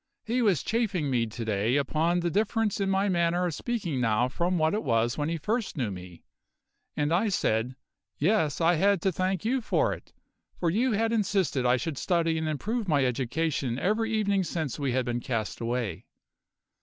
He was chaffing me to day upon the difference in my manner of speaking now from what it was when he first knew me, and I said: Yes, I had to thank you for it, for you had insisted I should study and improve my education every evening since we had been cast away.